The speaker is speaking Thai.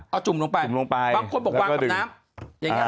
เอาจุ่มลงไปบางคนบอกวางกับน้ำ